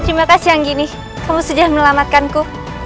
terima kasih yang gini kamu sudah melamatkanku